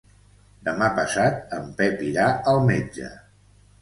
Demà passat en Pep irà al metge.